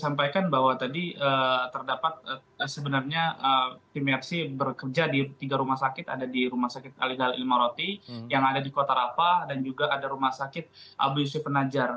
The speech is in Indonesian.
saya sampaikan bahwa tadi terdapat sebenarnya tim yrc bekerja di tiga rumah sakit ada di rumah sakit aligarh ilmaroti yang ada di kota rafah dan juga ada rumah sakit abu yusuf penajar